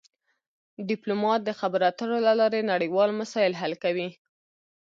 ډیپلومات د خبرو اترو له لارې نړیوال مسایل حل کوي